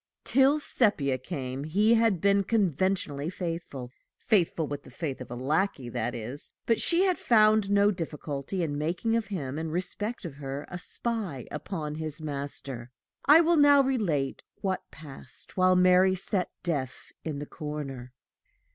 Till Sepia came, he had been conventionally faithful faithful with the faith of a lackey, that is but she had found no difficulty in making of him, in respect of her, a spy upon his master. I will now relate what passed while Mary sat deaf in the corner.